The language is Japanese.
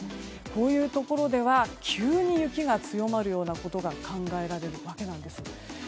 こういうところでは急に雪が強まるようなことが考えられるわけなんです。